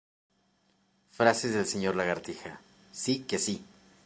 Frase del Señor Lagartija: "¡Si que si!